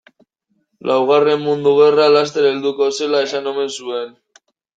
Laugarren mundu gerra laster helduko zela esan omen zuen.